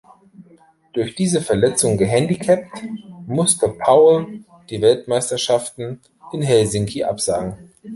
Durch diese Verletzung gehandicapt, musste Powell die Weltmeisterschaften in Helsinki absagen.